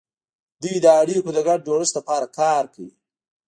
دوی د اړیکو د ګډ جوړښت لپاره کار کوي